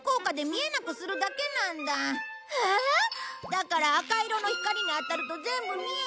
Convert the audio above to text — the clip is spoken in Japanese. だから赤色の光に当たると全部見えちゃう。